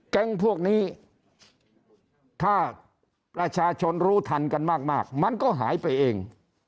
แก๊งพวกนี้ถ้าประชาชนรู้ทันกันมากมันก็หายไปเอง